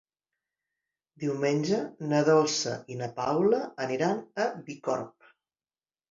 Diumenge na Dolça i na Paula aniran a Bicorb.